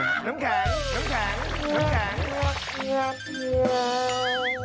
น้ำแข็ง